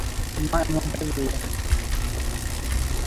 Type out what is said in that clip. মা এমনটাই বললো।